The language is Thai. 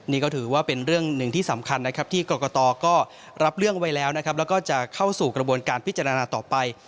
นี่ก็ถือว่าเป็นเรื่องหนึ่งที่สำคัญนะครับที่กรกตก็รับเรื่องไว้แล้วนะครับแล้วก็จะเข้าสู่กระบวนการพิจารณาต่อไป